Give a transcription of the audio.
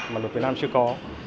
mà luật việt nam chưa có